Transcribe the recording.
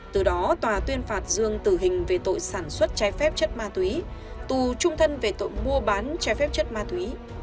từ đó tòa tuyên phạt dương tử hình về tội sản xuất trái phép chất ma túy tù trung thân về tội mua bán trái phép chất ma túy